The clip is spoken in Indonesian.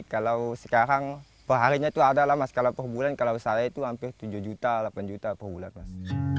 kalau sekarang perharinya itu ada mas kalau perbulan kalau saya itu hampir tujuh juta delapan juta perbulan mas